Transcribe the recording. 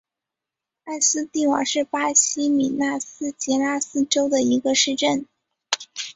埃斯蒂瓦是巴西米纳斯吉拉斯州的一个市镇。